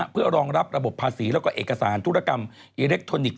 เพื่อรองรับระบบภาษีแล้วก็เอกสารธุรกรรมอิเล็กทรอนิกส